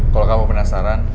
kalau kamu penasaran